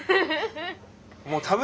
もう。